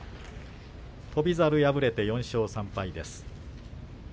翔猿は敗れて４勝３敗です。